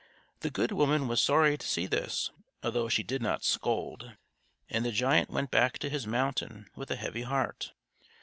The good woman was sorry to see this, although she did not scold; and the giant went back to his mountain with a heavy heart.